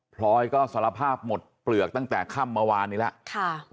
พลอยก็สารภาพหมดเปลือกตั้งแต่ค่ำเมื่อวานนี้แล้ว